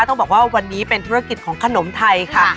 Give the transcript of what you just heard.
ต้องบอกว่าวันนี้เป็นธุรกิจของขนมไทยค่ะ